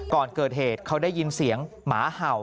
ก่อนเกิดเหตุเขาได้ยินเสียงหมาเห่า